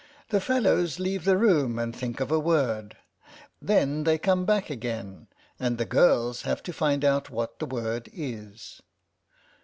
" The fellows leave the room and think of a word ; then they come back again, and the girls have to find out what the word is."